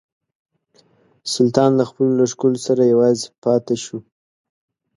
سلطان له خپلو لښکرو سره یوازې پاته شو.